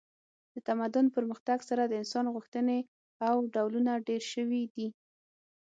د تمدن پرمختګ سره د انسان غوښتنې او ډولونه ډیر شوي دي